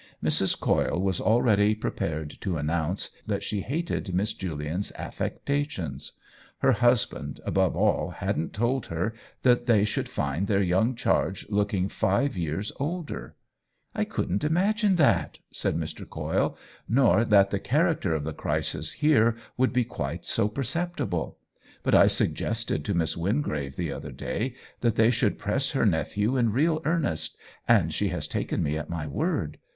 Mrs. Coyle was already prepared to announce that she hated Miss Julian's affectations. Her hus band, above all, hadn't told her that they should find their young charge looking five years older. " I couldn't imagine that," said Mr. Coyle, " nor that the character of the crisis here would be quite so perceptible. But I suggested to Miss Wingrave the other day that they should press her nephew in real earnest, and she has taken me at my word.